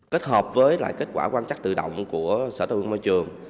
kết hợp với kết quả quan chắc tự động của sở thương môi trường